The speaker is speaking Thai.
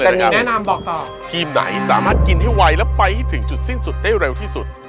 แต่หนูแนะนำบอกต่อทีมไหนสามารถกินให้ไวและไปให้ถึงจุดสิ้นสุดได้เร็วที่สุด